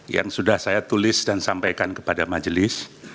yang sudah saya tulis dan sampaikan kepada majelis